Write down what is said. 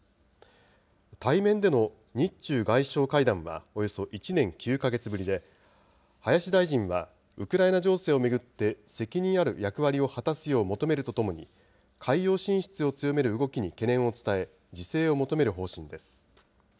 対面での日中外相会談はおよそ１年９か月ぶりで、林大臣はウクライナ情勢を巡って責任ある役割を果たすよう求めるとともに、海洋進出を強める動きに懸念を伝え、自制を求める方針です。